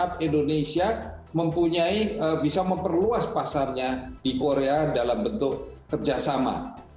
sehingga indonesia mempunyai bisa memperluas pasarnya di korea dalam bentuk kerjasama